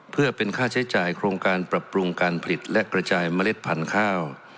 เพื่อเป็นค่าใช้จ่ายโครงการปรับปรุงการผลิตและกระจายเมล็ดพันธุ์ข้าว